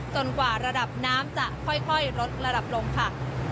กว่าระดับน้ำจะค่อยลดระดับลงค่ะ